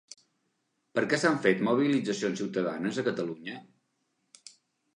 Per què s'han fet mobilitzacions ciutadanes a Catalunya?